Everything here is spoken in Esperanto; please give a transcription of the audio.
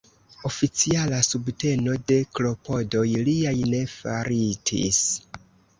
Oficiala subteno de klopodoj liaj ne faritis.